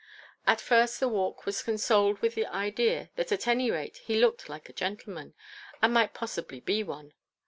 At first the Walk was consoled with the idea that at any rate he looked like a gentleman, and might possibly be one.